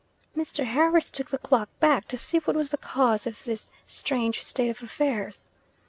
Mr. Harris took the clock back, to see what was the cause of this strange state of affairs.